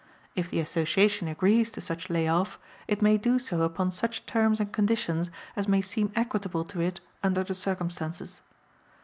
If the Association agrees to such lay off it may do so upon such terms and conditions as may seem equitable to it under the circumstances.